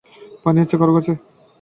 পানি আছে কারো কাছে?